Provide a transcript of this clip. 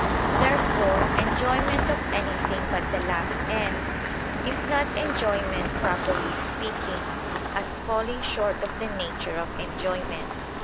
Therefore enjoyment of anything but the last end is not enjoyment properly speaking, as falling short of the nature of enjoyment.